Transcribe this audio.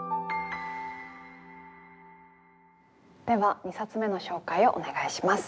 では２冊目の紹介をお願いします。